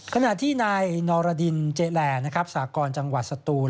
ขณะที่นายนรดินเจแลสากรจังหวัดสตูน